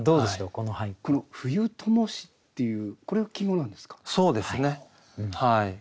この「冬ともし」っていうこれが季語なんですか？